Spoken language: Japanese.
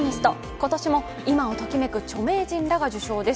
今年も、今をときめく著名人らが受賞です。